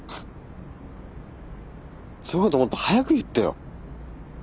そういうこともっと早く言ってよ。